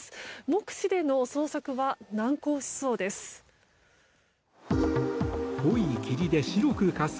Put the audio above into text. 目視での捜索は難航しそうです。